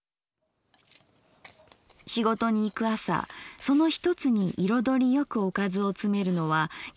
仕事に行く朝その一つに彩りよくおかずをつめるのは結構楽しい。